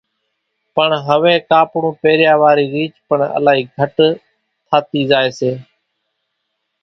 پڻ هويَ ڪاپڙون پيريا وارِي ريچ پڻ الائِي گھٽ ٿاتِي زائيَ سي۔